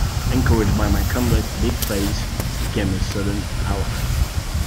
Encouraged by my conduct, Big-Face became a sudden ally.